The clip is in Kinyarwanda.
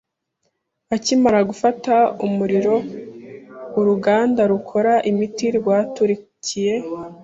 Akimara gufata umuriro, uruganda rukora imiti rwaturikiye.